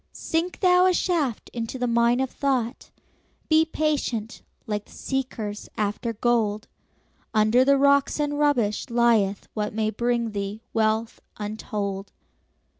Sink thou a shaft into the mine of thought; Be patient, like the seekers after gold; Under the rocks and rubbish lieth what May bring thee wealth untold.